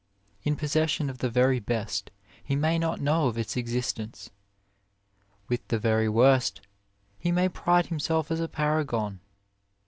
In possession of the very best, he may not know of its existence ; with the very worst he may pride himself as a paragon.